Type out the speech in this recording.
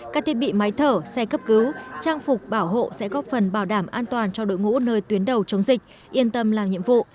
các thiết bị máy thở xe cấp cứu trang phục bảo hộ sẽ góp phần bảo đảm an toàn cho đội ngũ nơi tuyến đầu chống dịch yên tâm làm nhiệm vụ